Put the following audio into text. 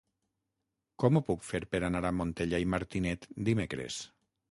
Com ho puc fer per anar a Montellà i Martinet dimecres?